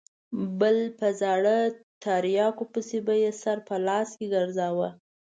بل په زاړه تریاکو پسې به یې سر په لاس کې ګرځاوه.